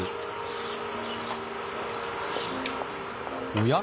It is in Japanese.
おや？